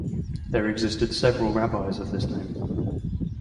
There existed several rabbis of this name.